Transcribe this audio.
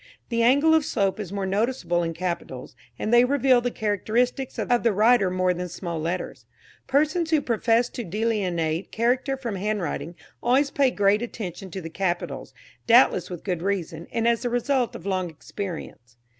The angle of slope is more noticeable in capitals, and they reveal the characteristics of the writer more than small letters. Persons who profess to delineate character from handwriting always pay great attention to the capitals, doubtless with good reason, and as the result of long experience.